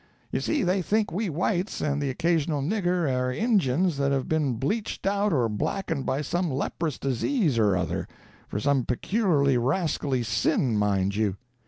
You see, they think we whites and the occasional nigger are Injuns that have been bleached out or blackened by some leprous disease or other—for some peculiarly rascally sin, mind you.